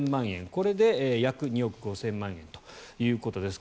これで約２億５０００万円ということです。